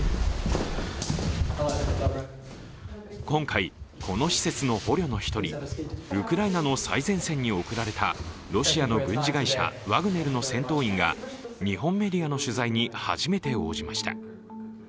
今回、この施設の捕虜の１人、ウクライナの最前線に送られたロシアの軍事会社、ワグネルの戦闘員が日本メディアの取材に初めて応じました。